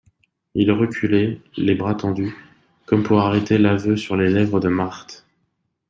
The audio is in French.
Il reculait, les bras tendus, comme pour arrêter l'aveu sur les lèvres de Marthe.